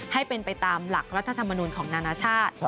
ให้เป็นไปตามหลักรัฐธรรมนูลของนานาชาติ